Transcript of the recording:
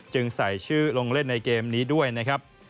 ใส่ชื่อลงเล่นในเกมนี้ด้วยนะครับ